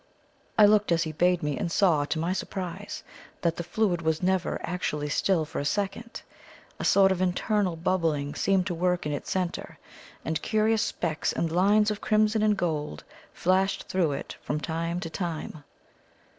I looked as he bade me, and saw, to my surprise, that the fluid was never actually still for a second. A sort of internal bubbling seemed to work in its centre, and curious specks and lines of crimson and gold flashed through it from time to time.